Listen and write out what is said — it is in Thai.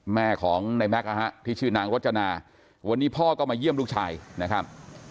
แม่ของในแม็กซ์นะฮะที่ชื่อนางรจนาวันนี้พ่อก็มาเยี่ยมลูกชายนะครับ